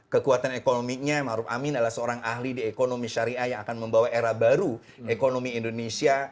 kekuatan ekonominya maruf amin adalah seorang ahli di ekonomi syariah yang akan membawa era baru ekonomi indonesia